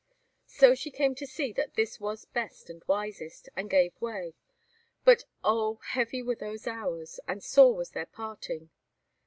So she came to see that this was best and wisest, and gave way; but oh! heavy were those hours, and sore was their parting.